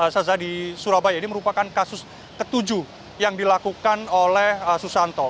saya sudah di surabaya ini merupakan kasus ke tujuh yang dilakukan oleh susanto